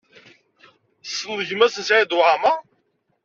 Tessneḍ gma-s n Saɛid Waɛmaṛ?